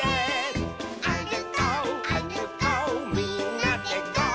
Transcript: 「あるこうあるこうみんなでゴー！」